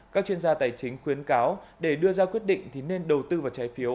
các chuyên gia tài chính khuyến cáo để đưa ra quyết định thì nên đầu tư vào trái phiếu